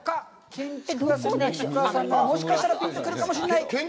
建築が好きな菊川さんなら、もしかしたらピンと来るかもしれない。